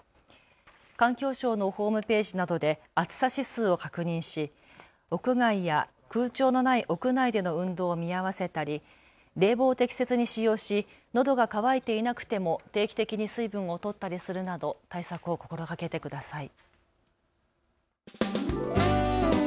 環境省のホームページなどで暑さ指数を確認し屋外や空調のない屋内での運動を見合わせたり冷房を適切に使用し、のどが渇いていなくても定期的に水分をとったりするなど対策を心がけてください。